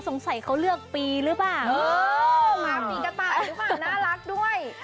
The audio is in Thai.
สงสัยเขาเลือกปีหรือเปล่าเออหมาปีกระต่ายหรือเปล่าน่ารักด้วย